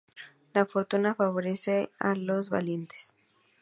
La fortuna favorece a los valientes